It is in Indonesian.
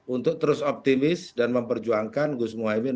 untuk terus optimis dan memperjuangkan gus muhaymin